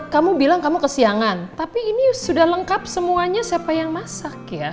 kamu bilang kamu kesiangan tapi ini sudah lengkap semuanya siapa yang masak ya